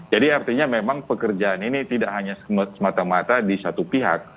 jadi artinya memang pekerjaan ini tidak hanya semata mata di satu pihak